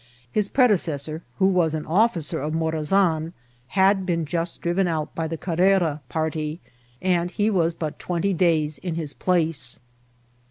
His predecessor, who was an officer of Morazan, had been just driven out by the Carrera party, and he was but twenty days in his place.